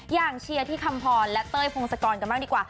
เชียร์ที่คำพรและเต้ยพงศกรกันบ้างดีกว่า